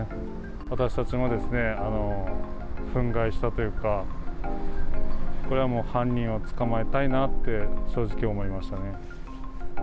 私たちも憤慨したというか、これはもう犯人を捕まえたいなって、正直思いましたね。